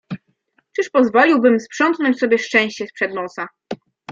"Czyż pozwoliłbym sprzątnąć sobie szczęście z przed nosa."